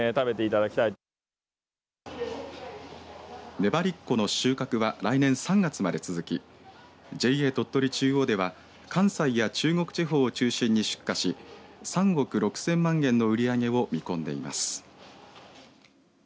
ねばりっこの収穫は来年３月まで続きＪＡ鳥取中央では関西や中国地方を中心に出荷し３億６０００万円の売り上げを見込んでいます。